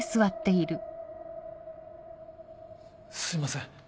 すいません